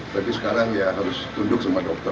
tapi sekarang dia harus tunduk sama dokter